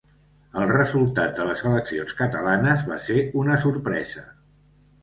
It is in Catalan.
El resultat de les eleccions catalanes va ser una sorpresa.